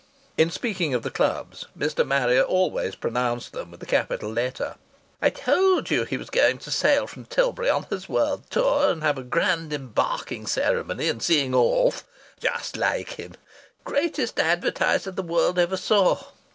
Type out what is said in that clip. (In speaking of the Clubs Mr. Marrier always pronounced them with a capital letter.) "I told you he was going to sail from Tilbury on his world tour, and have a grand embarking ceremony and seeing off! Just laike him! Greatest advertiser the world ever saw!